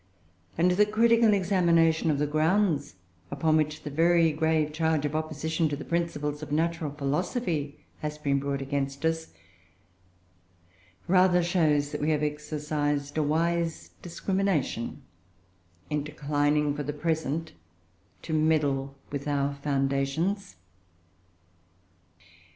And the critical examination of the grounds upon which the very grave charge of opposition to the principles of Natural Philosophy has been brought against us, rather shows that we have exercised a wise discrimination in declining, for the present, to meddle with our foundations.